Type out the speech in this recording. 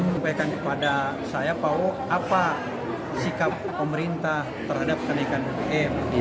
sampaikan kepada saya apa sikap pemerintah terhadap kenaikan bbm